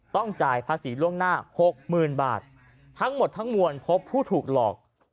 ต้องจ่ายภาษีล่วงหน้าหกหมื่นบาททั้งหมดทั้งมวลพบผู้ถูกหลอก